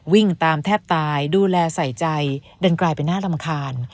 วิ่งตามแทบตายดูแลใส่ใจดันกลายเป็นน่ารำคาญ